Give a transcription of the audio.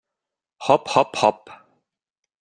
Hop, hop, hop!